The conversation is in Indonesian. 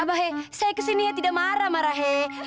abah hei saya kesini hei tidak marah marah hei